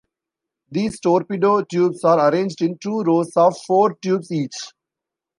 These torpedo tubes are arranged in two rows of four tubes each.